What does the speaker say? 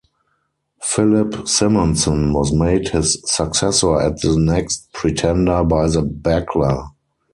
Philip Simonsson was made his successor as the next pretender by the Bagler.